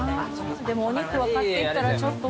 でもお肉は買っていったらちょっと。